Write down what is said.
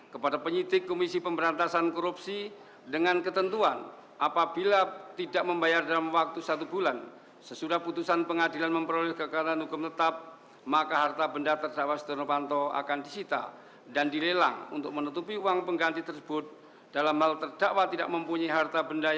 kami akan mencari berita